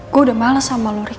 gue udah males sama lo rik